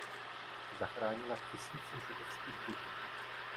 Zachránila tisíce židovských dětí.